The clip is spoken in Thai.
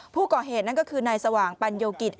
ผู้ก่อเหตุนั่นก็คือนายสว่างปัญโยกิจ